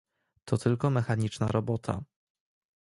"„To tylko mechaniczna robota."